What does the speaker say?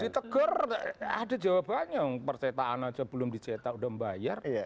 ditegur ada jawabannya percetaan aja belum dicetak udah membayar